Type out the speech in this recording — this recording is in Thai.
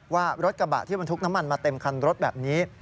ว่ารถกระบะที่บรรทุกน้ำมันมาเต็มคันรถแบบนี้